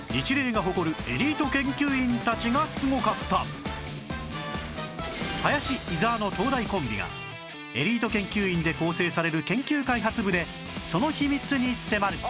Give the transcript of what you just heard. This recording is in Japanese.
実は林伊沢の東大コンビがエリート研究員で構成される研究開発部でその秘密に迫る！